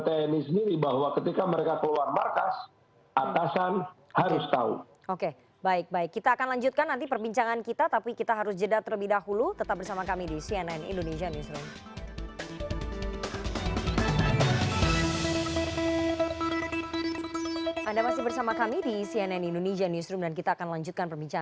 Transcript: tni sendiri bahwa ketika mereka